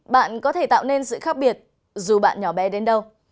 bạn có thể tạo nên sự khác biệt dù bạn nhỏ bé đến đâu